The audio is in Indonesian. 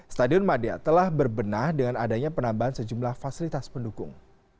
stadion madia telah berbenah dengan adanya penambahan sejumlah fasilitas pendukung